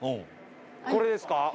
これですか？